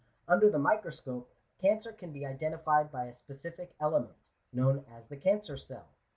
Under the microscope, cancer can be identified by a specific element, known as the cancer cell.